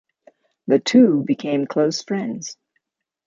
The two became close friends.